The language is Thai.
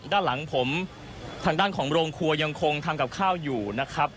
ด้านหลังผมทางด้านของโรงครัวยังคงทำกับข้าวอยู่นะครับ